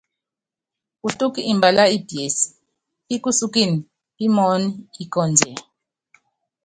Putúk mbalá i pies pi kusúkin pimɔɔn ikɔndiɛ.